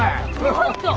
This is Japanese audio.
ちょっと！